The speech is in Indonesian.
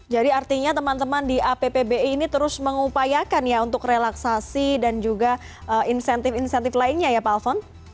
jadi artinya teman teman di appbi ini terus mengupayakan ya untuk relaksasi dan juga insentif insentif lainnya ya pak alvon